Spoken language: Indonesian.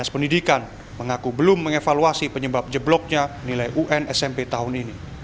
dinas pendidikan mengaku belum mengevaluasi penyebab jebloknya nilai un smp tahun ini